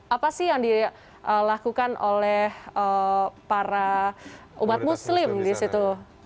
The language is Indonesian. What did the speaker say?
apa sih yang dilakukan oleh para umat muslim di situ